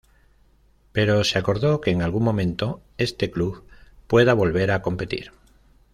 Pero se acordó que en algún momento este club pueda volver a competir.